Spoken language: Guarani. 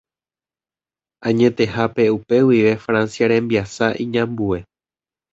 Añetehápe upe guive Francia rembiasa iñambue.